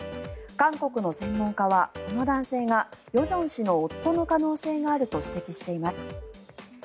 韓国の専門家はこの男性が与正氏の夫の可能性があると指摘しています。